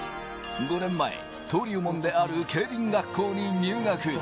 ５年前、登竜門である競輪学校に入学。